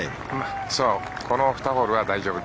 この２ホールは大丈夫。